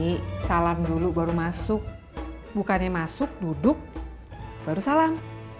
ini salam dulu baru masuk bukannya masuk duduk baru salam